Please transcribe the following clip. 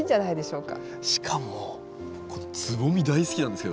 しかもこのつぼみ大好きなんですけど。